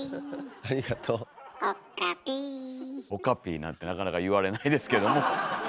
岡Ｐなんてなかなか言われないですけども。